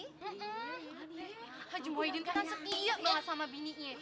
neng haji muhyiddin kan setia banget sama bininya